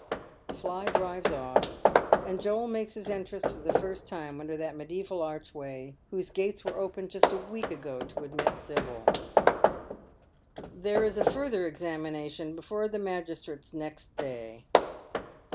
The fly drives off, and Joel makes his entrance for the first time under that media3val archway whose gates were opened just a week ago to admit Sibyl. There is a further examination before the magistrates next day.